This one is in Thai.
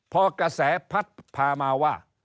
พอกระแสพัดพามาว่า